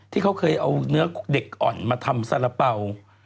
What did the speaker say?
ที่เขาเคยเอาเนื้อเด็กอ่อนมาทำสาระเป๋า